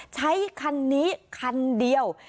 ใช้คันนี้คันเดียว